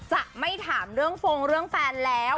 จะไม่ถามเรื่องฟงเรื่องแฟนแล้ว